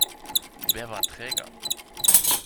Wer war träger?